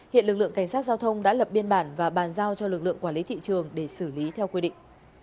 hiện lực lượng cảnh sát giao thông đã lập biên bản và bàn giao cho lực lượng quản lý thị trường để xử lý theo quy định